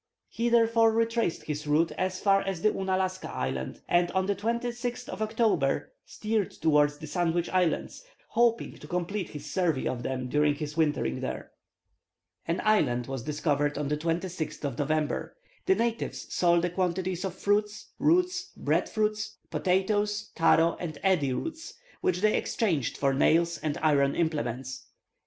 He therefore retraced his route as far as Ounalaska Island, and on the 26th of October steered towards the Sandwich Islands, hoping to complete his survey of them during his wintering there. An island was discovered on the 26th of November. The natives sold a quantity of fruits, roots, bread fruits, potatoes, "taro" and "eddy" roots, which they exchanged for nails and iron implements.